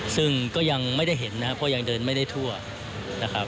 ซึ่งก็ยังไม่ได้เห็นนะครับเพราะยังเดินไม่ได้ทั่วนะครับ